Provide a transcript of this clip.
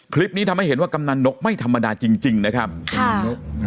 คลิปนี้ทำให้เห็นว่ากำนันนกไม่ธรรมดาจริงจริงนะครับค่ะ